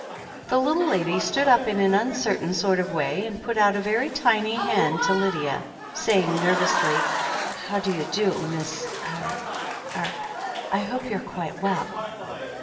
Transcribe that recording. The little lady stood up in an uncertain sort of way, and put out a very tiny hand to Lydia, saying nerv ously : "How do you do, Miss— er — er. ... I hope you're quite well."